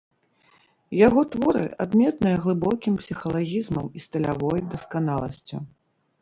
Яго творы адметныя глыбокім псіхалагізмам і стылявой дасканаласцю.